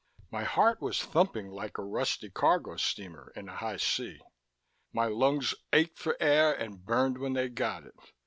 My heart was thumping like a rusty cargo steamer in a high sea. My lungs ached for air and burned when they got it.